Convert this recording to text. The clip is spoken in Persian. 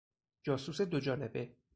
جاسوس دوجانبه